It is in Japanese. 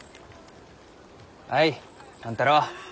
はい万太郎。